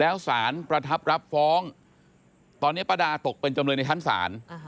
แล้วสารประทับรับฟ้องตอนนี้ป้าดาตกเป็นจำเลยในชั้นศาล